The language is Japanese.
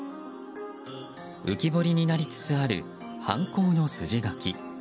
浮き彫りになりつつある犯行の筋書き。